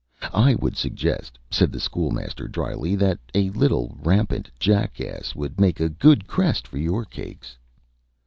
"I would suggest," said the School Master, dryly, "that a little rampant jackass would make a good crest for your cakes."